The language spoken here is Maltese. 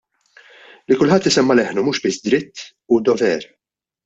Li kulħadd isemma' leħnu mhux biss dritt, hu dover.